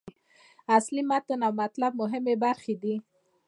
اصلي متن او مطلب مهمې برخې دي.